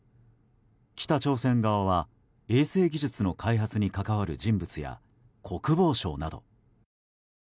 北朝鮮側は衛星技術の開発に関わる人物や国防相など。